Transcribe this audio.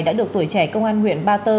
đã được tuổi trẻ công an huyện ba tơ